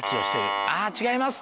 あぁ違います。